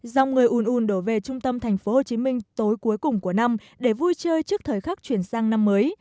dòng người ùn ùn đổ về trung tâm thành phố hồ chí minh tối cuối cùng của năm để vui chơi trước thời khắc chuyển sang năm mới